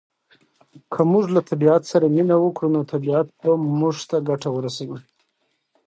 که موږ له طبعیت سره مینه وکړو نو طبعیت به موږ ته ګټه ورسوي.